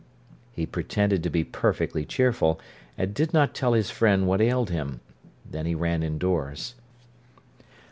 He pretended to be perfectly cheerful, and did not tell his friend what ailed him. Then he ran indoors.